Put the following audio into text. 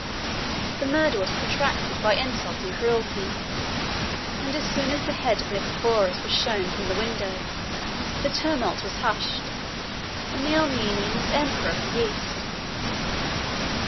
1016 The murder was protracted by insult and cruelty: and as soon as the head of Nicephorus was shown from the window, the tumult was hushed, and the Armenian was emperor of the East.